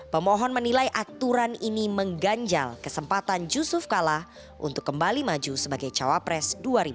pemohon menilai aturan ini mengganjal kesempatan yusuf kala untuk kembali maju sebagai cawapres dua ribu sembilan belas